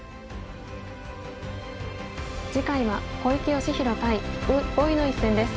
次回は小池芳弘対呉柏毅の一戦です。